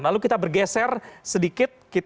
lalu kita bergeser sedikit